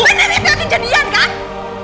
bener bener itu yang kejadian kan